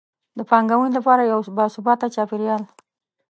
د پانګونې لپاره یو باثباته چاپیریال.